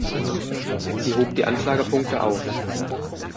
Sie hob die Anklagepunkte auf.